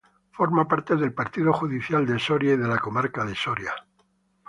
Forma parte del partido judicial de Soria y de la comarca de Soria.